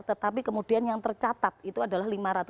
tetapi kemudian yang tercatat itu adalah lima ratus